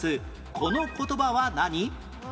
この言葉は何？